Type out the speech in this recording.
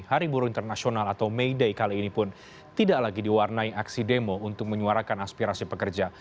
hari buru internasional atau may day kali ini pun tidak lagi diwarnai aksi demo untuk menyuarakan aspirasi pekerja